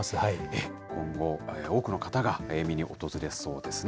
今後、多くの方が見に訪れそうですね。